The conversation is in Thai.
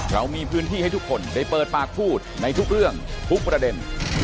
เรามีพื้นที่ให้ทุกคนได้เปิดปากพูดในทุกเรื่องทุกประเด็น